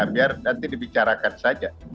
biar nanti dibicarakan saja